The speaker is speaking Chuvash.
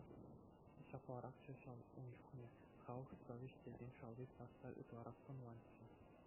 Ҫапларахчӗ ҫав ун чухне, халӑх совеҫ текен шалти сасса ытларах тӑнлатчӗ.